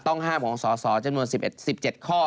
ต้องห้ามของสสจำนวน๑๑๗ข้อ